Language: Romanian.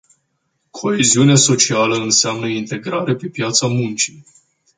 Coeziune socială înseamnă integrare pe piața muncii.